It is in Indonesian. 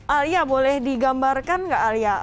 alia boleh digambarkan nggak alia